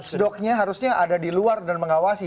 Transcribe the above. watchdog nya harusnya ada di luar dan mengawasi